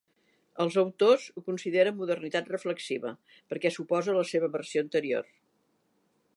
Els autors ho consideren modernitat reflexiva perquè s'oposa a la seva versió anterior.